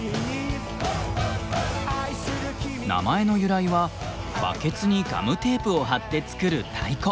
名前の由来はバケツにガムテープを貼って作る太鼓！